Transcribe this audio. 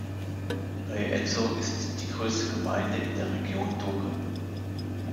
Rae-Edzo ist die größte Gemeinde in der Region Dogrib.